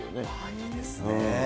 いいですね。